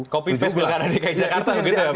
kopi pes bilang ada di dki jakarta begitu ya pak andri